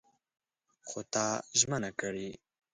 خو تا ژمنه کړې!